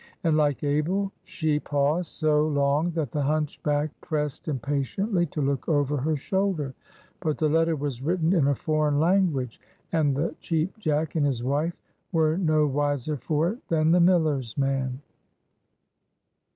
And, like Abel, she paused so long that the hunchback pressed impatiently to look over her shoulder. But the letter was written in a foreign language, and the Cheap Jack and his wife were no wiser for it than the miller's man.